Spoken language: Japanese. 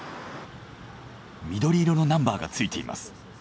緑色のナンバーがついています。